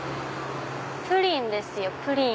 プリンですよプリン。